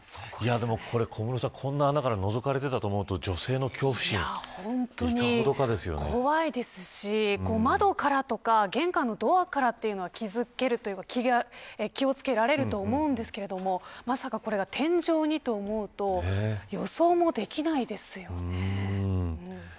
これ小室さん、こんな穴からのぞかれていたと思うと本当に怖いですし窓からとか玄関のドアからというのは気を付けられると思うんですけれどもまさか、これが天井にと思うと予想もできないですよね。